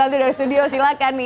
bantu dari studio silakan